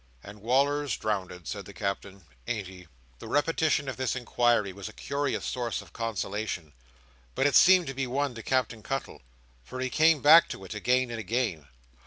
"And Wal"r's drownded," said the Captain. "Ain't he?" The repetition of this inquiry was a curious source of consolation, but it seemed to be one to Captain Cuttle, for he came back to it again and again.